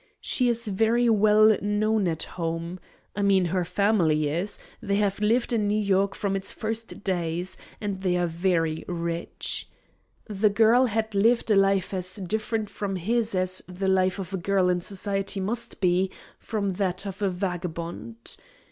She is very well known at home. I mean her family is: they have lived in New York from its first days, and they are very rich. The girl had lived a life as different from his as the life of a girl in society must be from that of a vagabond.